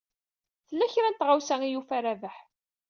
Tella kra n tɣawsa i yufa Rabaḥ.